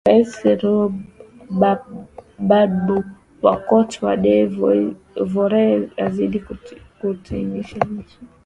rais lauren badbo wa cote de voire azidi kutunisha misuli